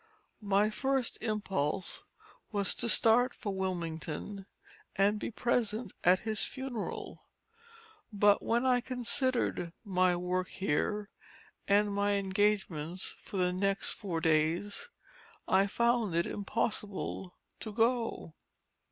My first impulse was to start for Wilmington, and be present at his funeral; but when I considered my work here, and my engagements for the next four days, I found it impossible to go.